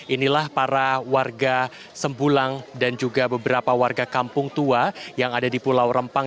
inilah para warga sembulang dan juga beberapa warga kampung tua yang ada di pulau rempang